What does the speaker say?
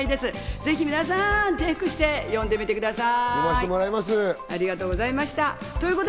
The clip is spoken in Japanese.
ぜひ皆さんチェックして読んでみてください。